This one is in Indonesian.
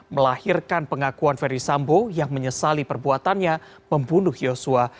melahirkan pengakuan verdi sambo yang menyesali perbuatannya membunuh yosua